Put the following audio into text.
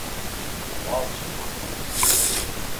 Walsh ha muerto.